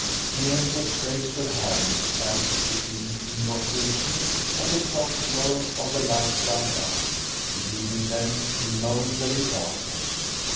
The empress raised her hands as if in invocation and the soft glow of the lights died down, leaving them in momentary darkness.